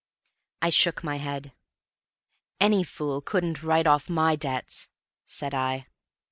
I shook my head. "Any fool couldn't write off my debts," said I.